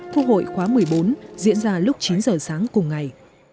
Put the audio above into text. quốc hội khóa một mươi bốn diễn ra lúc chín giờ sáng cùng ngày